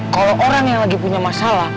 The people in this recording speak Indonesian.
kalau orang yang lagi punya masalah